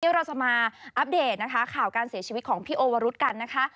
เราจะมาอัปเดตนะคะข่าวการเสียชีวิตของพี่โอวรุษกันนะคะ